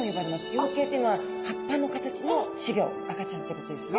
葉形っていうのは葉っぱの形の仔魚赤ちゃんってことですね。